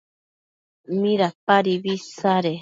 ¿midapadibi isade?